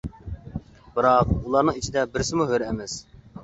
-بىراق، ئۇلارنىڭ ئىچىدە بىرسىمۇ ھۆر ئەمەس.